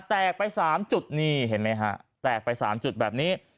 แตกไป๓จุดนี่เห็นไหมฮะแตกไป๓จุดแบบนี้